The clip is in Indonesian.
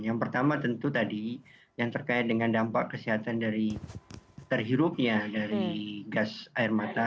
yang pertama tentu tadi yang terkait dengan dampak kesehatan dari terhirupnya dari gas air mata